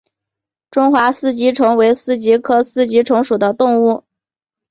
中华四极虫为四极科四极虫属的动物。